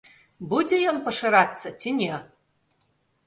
Будзе ён пашырацца ці не?